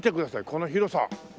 この広さ。